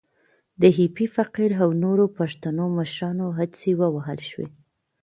د ایپي فقیر او نورو پښتنو مشرانو هڅې ووهل شوې.